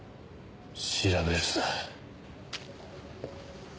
調べるさ。